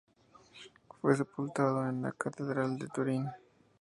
Fue sepultado en la Catedral de Turín.